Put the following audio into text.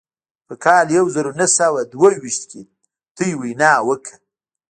په کال يو زر و نهه سوه دوه ويشت کې تاسې وينا وکړه.